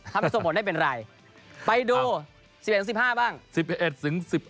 ถ้าไม่ส่งผลได้เป็นไรไปดู๑๑๑๕บ้าง